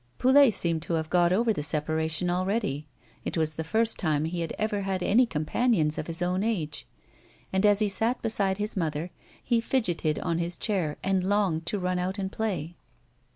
Poulet seemed to have got over the separation already ; it was the first time he had ever had any companions of his own age, and, as he sat beside his mother, he fidgetted on his chair and longed to run out and play.